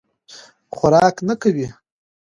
خوراک نه کول.